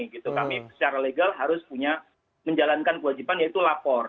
kami secara legal harus punya menjalankan kewajiban yaitu lapor